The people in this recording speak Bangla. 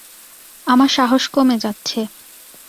আমার সাহস কমে যাচ্ছে।